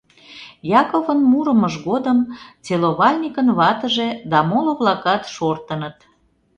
Яковын мурымыж годым целовальникын ватыже да моло-влакат шортыныт.